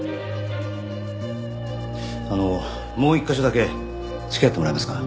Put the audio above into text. あのもう１カ所だけ付き合ってもらえますか。